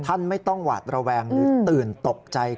ท่านไม่ต้องหวาดระแวงหรือตื่นตกใจ